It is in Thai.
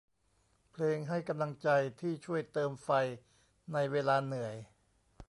เพลงให้กำลังใจ ที่ช่วยเติมไฟในเวลาเหนื่อย